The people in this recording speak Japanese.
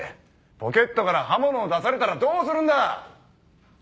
ポケットから刃物を出されたらどうするんだ！